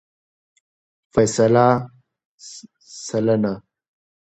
فیصده √ سلنه